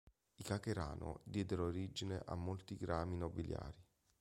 I Cacherano diedero origine a molti rami nobiliari.